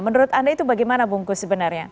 menurut anda itu bagaimana bung kus sebenarnya